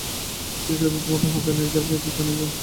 সৃষ্টি তো আমাদের হাতে নেই, যা পেয়েছি তাকে নিয়েই ব্যবহার করতে হবে।